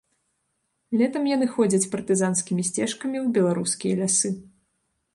Летам яны ходзяць партызанскімі сцежкамі ў беларускія лясы.